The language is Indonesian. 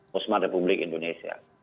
boseman republik indonesia